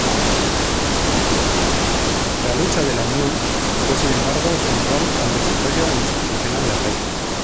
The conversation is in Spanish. La lucha de la Unión fue sin embargo central al desarrollo institucional del reino.